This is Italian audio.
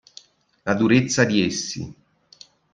La durezza di essi.